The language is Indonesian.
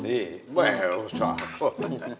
nih weh usah kok